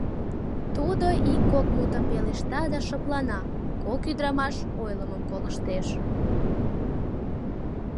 Тудо ик-кок мутым пелешта да шыплана, кок ӱдрамаш ойлымым колыштеш.